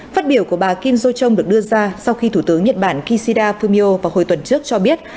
phát biểu của bà kim do chong được đưa ra sau khi thủ tướng nhật bản kishida fumio vào hồi tuần trước cho biết